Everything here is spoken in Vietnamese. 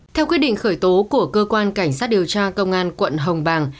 theo quyết định khởi tố của cơ quan cảnh sát điều tra công an quận hồng bàng